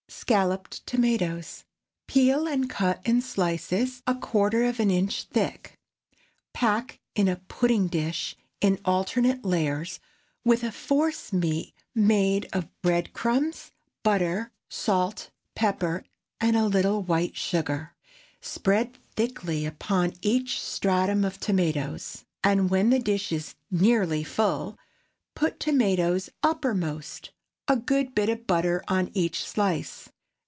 SCALLOPED TOMATOES. ✠ Peel and cut in slices a quarter of an inch thick. Pack in a pudding dish in alternate layers, with a force meat made of bread crumbs, butter, salt, pepper, and a little white sugar. Spread thickly upon each stratum of tomatoes, and when the dish is nearly full, put tomatoes uppermost, a good bit of butter upon each slice.